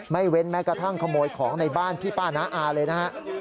เว้นแม้กระทั่งขโมยของในบ้านพี่ป้าน้าอาเลยนะฮะ